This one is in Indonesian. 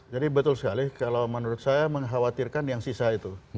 jadi betul sekali kalau menurut saya mengkhawatirkan yang sisa itu